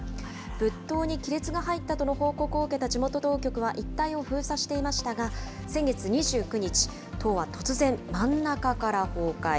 仏塔に亀裂が入ったとの報告を受けた地元当局は一帯を封鎖していましたが、先月２９日、塔は突然、真ん中から崩壊。